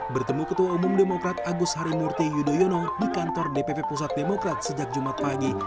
bertemu ketua umum demokrat agus harimurti yudhoyono di kantor dpp pusat demokrat sejak jumat pagi